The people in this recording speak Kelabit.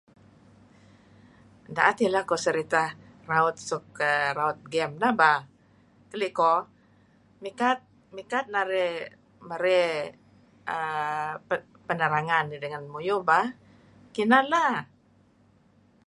Da'et ileh kuh seritah raut suk raut game neh bah, keli' koh mikat mikat narih merey err penerangan idih ngen muyuh bah. Kineh lah.